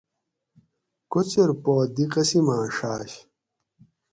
کوچر پا دی قسماٞں ݭاٞش